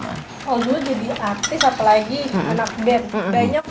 oh lo jadi artis apalagi anak band banyak fansnya kan